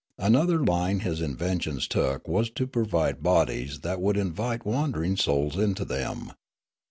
Another line his inventions took was to provide bodies that would invite wandering souls into them.